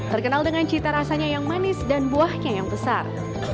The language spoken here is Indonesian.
terkenal dengan cita rasanya yang manis dan buahnya yang besar